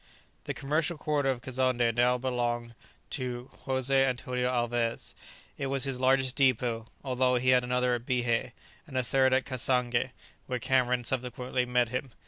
The commercial quarter of Kazonndé now belonged to José Antonio Alvez. It was his largest dépôt, although he had another at Bihé, and a third at Cassangé, where Cameron subsequently met him.